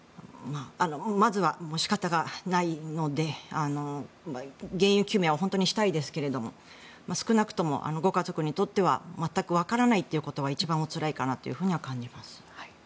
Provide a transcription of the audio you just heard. まずは仕方がないので原因究明は本当にしたいですが少なくともご家族にとっては全くわからないということが一番、おつらいかなとは感じます。